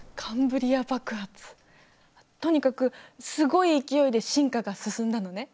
とにかくすごい勢いで進化が進んだのね。